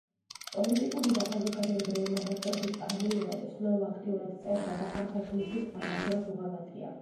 პოლიტიკური და საზოგადოებრივი მოღვაწეობის პარალელურად სნოუ აქტიურად წერდა და ამ საქმისთვის არასდროს უღალატია.